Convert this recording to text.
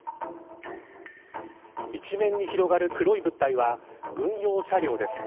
一面に広がる黒い物体は軍用車両です。